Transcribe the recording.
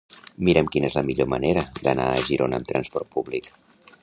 Mira'm quina és la millor manera d'anar a Girona amb trasport públic.